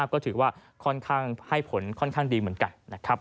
ก็ถือว่าให้ผลค่อนข้างดีเหมือนกัน